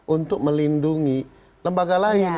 untuk melindungi lembaga lain